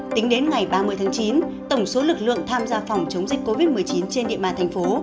tính đến ngày ba mươi tháng chín tổng số lực lượng tham gia phòng chống dịch covid một mươi chín trên địa bàn thành phố